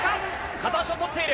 片足をとっている。